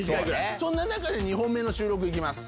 そんな中２本目の収録いきます。